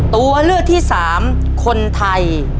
ตัวเลือกที่๓คนไทย